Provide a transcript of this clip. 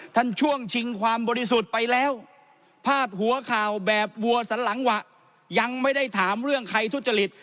ช่วงชิงความบริสุทธิ์ไปแล้วพาดหัวข่าวแบบวัวสันหลังหวะยังไม่ได้ถามเรื่องใครทุจริต